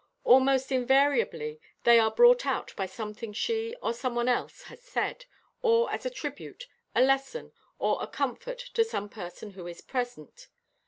Almost invariably they are brought out by something she or someone else has said, or as a tribute, a lesson or a comfort to some person who is present.